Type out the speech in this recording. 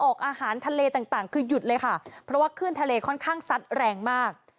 อาหารทะเลต่างต่างคือหยุดเลยค่ะเพราะว่าขึ้นทะเลค่อนข้างซัดแรงมาก